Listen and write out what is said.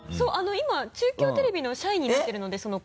今中京テレビの社員になっているのでその子。